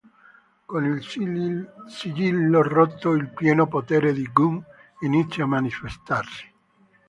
Con il sigillo rotto, il pieno potere di G'huun inizia a manifestarsi.